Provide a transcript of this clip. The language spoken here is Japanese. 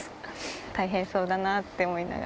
大変そうだなって思いながら。